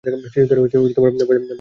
শিশুদের ভয় দেখাবেন না।